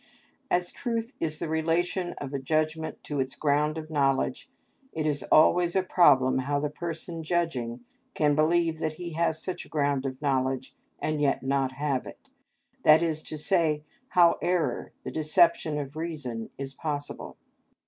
As truth is the relation of a judgment to its ground of knowledge, it is always a problem how the person judging can believe that he has such a ground of knowledge and yet not have it; that is to say, how error, the deception of reason, is possible.